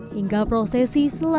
hingga prosesi selesai